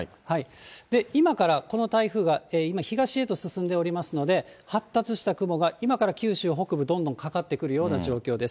今からこの台風が、今東へと進んでおりますので、発達した雲が、今から九州北部どんどんかかってくるような状況です。